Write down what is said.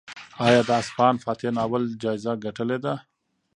ایا د اصفهان فاتح ناول جایزه ګټلې ده؟